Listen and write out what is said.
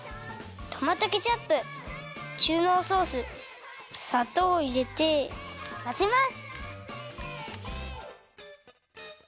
トマトケチャップ中のうソースさとうをいれてまぜます！